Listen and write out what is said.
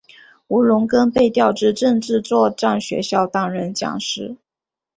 吴荣根被调至政治作战学校担任讲师。